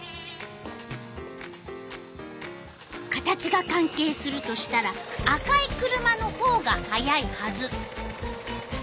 形が関係するとしたら赤い車のほうが速いはず。